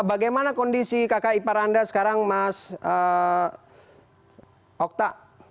bagaimana kondisi kakak ipar anda sekarang mas okta